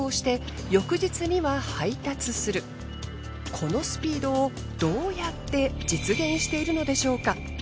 このスピードをどうやって実現しているのでしょうか？